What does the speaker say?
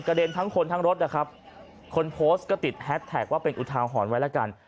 เด็นทั้งคนทั้งรถนะครับคนโพสต์ก็ติดแฮสแท็กว่าเป็นอุทาหรณ์ไว้แล้วกัน